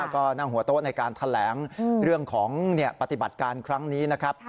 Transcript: ก็นั่งหัวโต๊ะในการแถลงเรื่องของปฏิบัติการครั้งนี้นะครับ